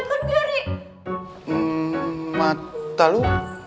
ehm mata lu